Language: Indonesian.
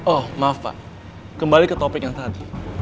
oh maaf pak kembali ke topik yang tadi